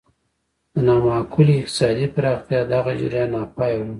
د نامعقولې اقتصادي پراختیا دغه جریان ناپایه و.